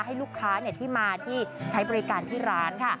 ให้ลูกค้าที่มาที่ใช้บริการที่ร้านค่ะ